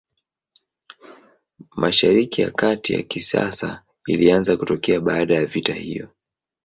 Mashariki ya Kati ya kisasa ilianza kutokea baada ya vita hiyo.